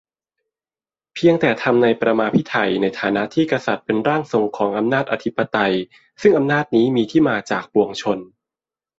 เพียงแต่ทำ "ในปรมาภิไธย" ในฐานะที่กษัตริย์เป็นร่างทรงของอำนาจอธิปไตย-ซึ่งอำนาจนี้มีที่มาจากปวงชน